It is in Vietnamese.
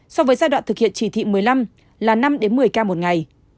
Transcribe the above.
so với giai đoạn thực hiện chỉ thị một mươi năm là năm một mươi ca một ngày